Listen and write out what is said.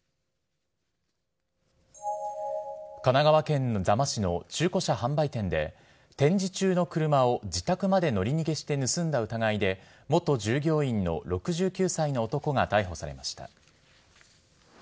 神奈川県座間市の中古車販売店で、展示中の車を自宅まで乗り逃げして盗んだ疑いで、元従業員の６９歳の男が逮捕されました。